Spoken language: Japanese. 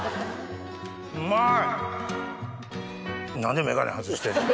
うまい！